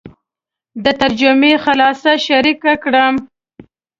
د ترجمې خلاصه شریکه کړم.